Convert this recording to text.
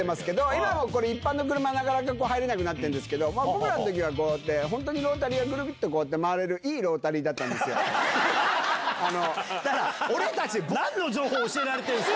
今もうこれ、一般の車、なかなか入れなくなってるんですよ、僕らのときはこうやって、本当にロータリーをぐるっと回れる、いいロータリーだったんですだから、俺たちなんの情報を教えられてるんですか。